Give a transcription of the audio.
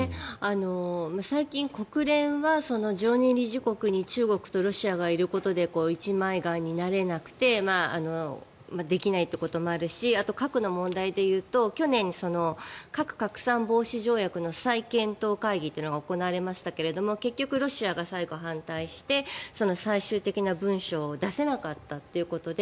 最近、国連は常任理事国に中国とロシアがいることで一枚岩になれなくてできないということになるし核の問題でいうと去年、核拡散防止条約の再検討会議が行われましたが結局、ロシアが最後反対して最終的な文書を出せなかったということで